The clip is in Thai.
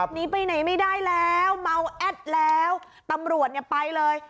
หนีไปไหนไม่ได้แล้วเมาแอดแล้วตำรวจเนี่ยไปเลย